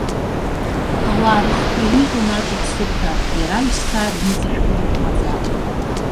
Ауаа рыхқәа еиниҟьон аҿыгә-сыгәҳәа, иара аҩсҭаа дныҵашәкәон маӡа.